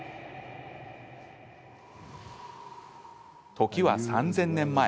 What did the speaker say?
時は３０００年前。